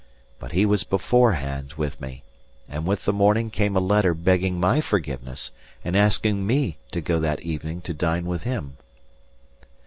But he was beforehand with me, and with the morning came a letter begging my forgiveness and asking me to go that evening to dine with him.